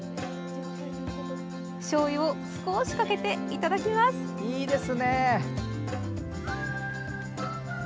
しょうゆを少しかけていただきます！